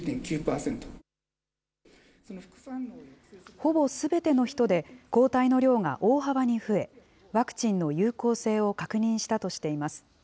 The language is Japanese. ほぼすべての人で、抗体の量が大幅に増え、ワクチンの有効性を確認したとしています。